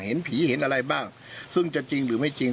เห็นผีเห็นอะไรบ้างซึ่งจะจริงหรือไม่จริง